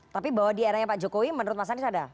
tapi bahwa di eranya pak jokowi menurut mas anies ada